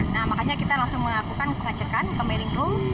nah makanya kita langsung melakukan pengecekan ke mailing room